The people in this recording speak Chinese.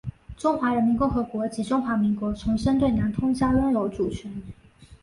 中华人民共和国及中华民国重申对南通礁拥有主权。